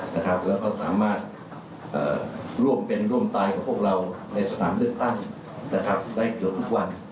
และเขาสามารถร่วมเป็นร่วมตายกับพวกเราในสถานเรื่องตั้งได้เกี่ยวทุกวัน